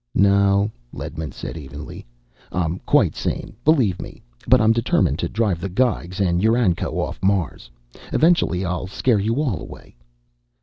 "No," Ledman said evenly. "I'm quite sane, believe me. But I'm determined to drive the Geigs and UranCo off Mars. Eventually I'll scare you all away."